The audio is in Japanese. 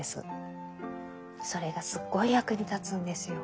それがすごい役に立つんですよ。